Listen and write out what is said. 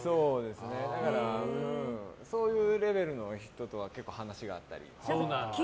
だからそういうレベルの人とは結構話が合ったり。